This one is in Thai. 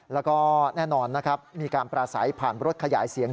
แล้วก็แน่นอนนะครับมีการปราศัยผ่านรถขยายเสียง